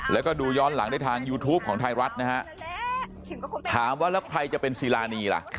แล้วก็ดูย้อนหลังได้ทางยูทูปของไทยรัฐนะฮะถามว่าแล้วใครจะเป็นซีรานีล่ะ